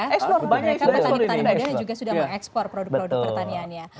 mereka petani petani badan yang juga sudah mengekspor produk produk pertaniannya